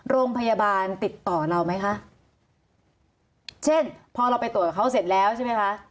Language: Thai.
โรงพยาบาลติดต่อเราไหมคะเช่นพอเราไปตรวจกับเขาเสร็จแล้วใช่ไหมคะ